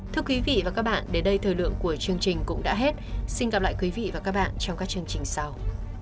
thưa quý vị và các bạn đến đây thời lượng của chương trình cũng đã hết xin gặp lại quý vị và các bạn trong các chương trình sau